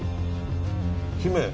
姫